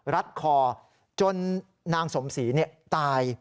รัดคอจนนางสมศรีเนี่ยตาย